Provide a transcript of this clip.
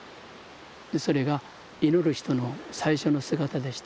それが祈る人の最初の姿でした。